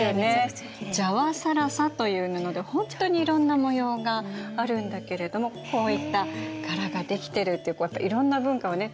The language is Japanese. ジャワ更紗という布で本当にいろんな模様があるんだけれどもこういった柄ができてるっていうことはいろんな文化をね